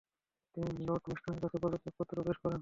তিনি লর্ড মিন্টোর কাছে পদত্যাগপত্র পেশ করেন।